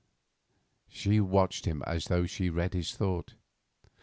She watched him as though she read his thought.